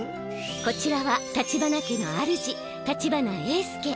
こちらは立花家の主立花英介